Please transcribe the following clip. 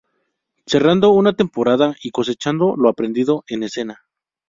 Cerrando una temporada y cosechando lo aprendido en escena.